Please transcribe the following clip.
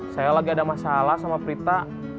saya lagi ada masalah sama prita